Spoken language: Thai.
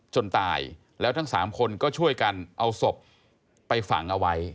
ตายแล้วทั้งสามคนก็ช่วยกันเอาศพไปฝังเอาไว้